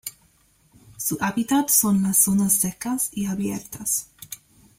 Su hábitat son las zonas secas y abiertas.